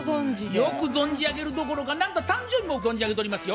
よく存じ上げるどころか誕生日も存じ上げておりますよ。